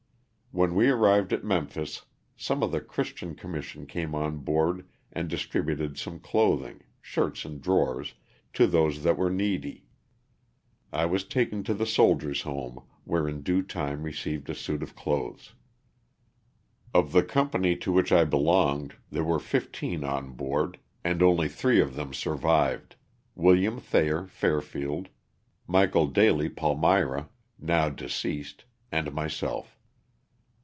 When we arrived at Mem phis some of the Christian Commission came on board and distributed some clothing (shirts and drawers) to those that were needy. I was taken to the Soldiers' Home, where in due time received a suit of clothes. Of the company to which I belonged there were fifteen on board and only three of them survived; William Thayer, Fairfield ; Michael Daley, Palmyra, now deceased, and myself.